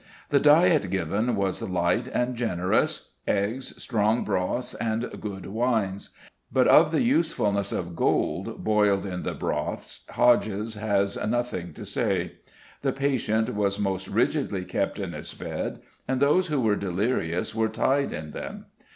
The diet given was light and generous eggs, strong broths, and good wines; but of the usefulness of gold boiled in the broths Hodges has "nothing to say." The patient was most rigidly kept in his bed, and those who were delirious were tied in them.